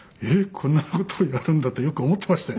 こんな事やるんだとよく思ってましたよ。